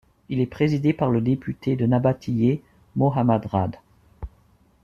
Il est présidé par le député de Nabatiyé, Mohammad Raad.